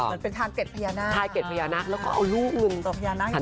มันเป็นทางเก็ดพญานะ